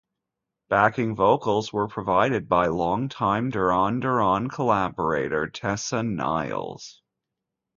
Backing vocals were provided by longtime Duran Duran collaborator Tessa Niles.